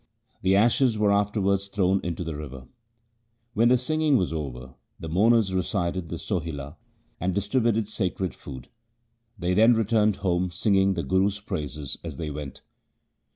The ashes were afterwards thrown into the river. When the singing was over, the mourners recited the Sohila and distributed sacred food. They then returned home singing the Guru's praises as they went.